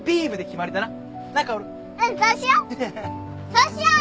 そうしよう。